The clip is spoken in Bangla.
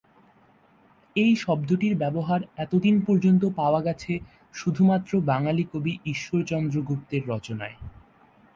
এই শব্দটির ব্যবহার এতদিন পর্যন্ত পাওয়া গেছে শুধুমাত্র বাঙালি কবি ঈশ্বরচন্দ্র গুপ্তের রচনায়।